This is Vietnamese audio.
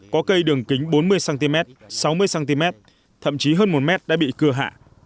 có cây đường kính bốn mươi cm sáu mươi cm thậm chí hơn một m đã bị cưa hạ